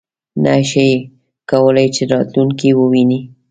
نه شي کولای چې راتلونکی وویني .